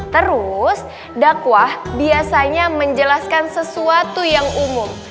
terus dakwah biasanya menjelaskan sesuatu yang umum